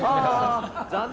残念。